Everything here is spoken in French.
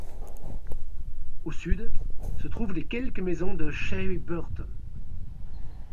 Au sud se trouvent les quelques maisons de Cherry Burton.